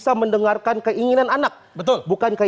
waduh anak laki